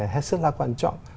hết sức là quan trọng